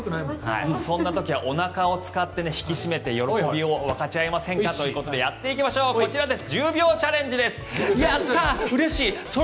そんな時はおなかを使って引き締めて喜びを分かち合いませんかということでやっていきましょう、こちらです